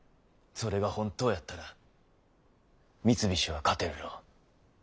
それが本当やったら三菱は勝てるろう。